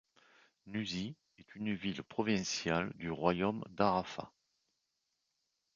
Nuzi est une ville provinciale du royaume d’Arrapha.